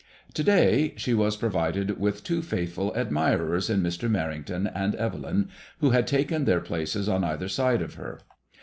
To day she was provided with two faith ful admirers in Mr. Merrington and Evelyn, who had taken their places on either side of her.